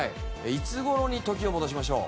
いつ頃に時を戻しましょう？